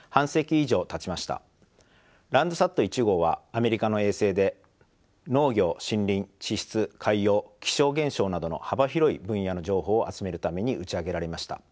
Ｌａｎｄｓａｔ１号はアメリカの衛星で農業森林地質海洋気象現象などの幅広い分野の情報を集めるために打ち上げられました。